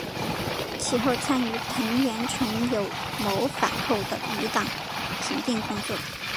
其后参与藤原纯友谋反后的余党平定工作。